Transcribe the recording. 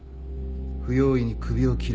不用意に首を切れない。